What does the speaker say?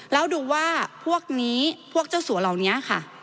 แล้วดูว่าพวกนี้พวกเจ้าสัวเหล่านี้ค่ะ